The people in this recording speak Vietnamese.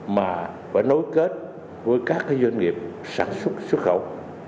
mà phải nối kết với các doanh nghiệp sản xuất xuất khẩu